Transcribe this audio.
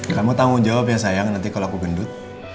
kamu tanggung jawab yang sayang nanti kalau aku gendut